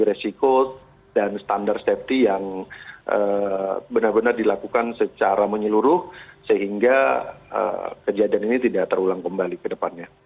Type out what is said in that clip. resiko dan standar safety yang benar benar dilakukan secara menyeluruh sehingga kejadian ini tidak terulang kembali ke depannya